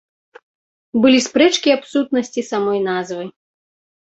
Былі спрэчкі аб сутнасці самой назвы.